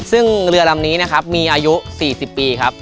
ซึ่งเรือลำนี้นะครับมีอายุ๔๐ปีครับ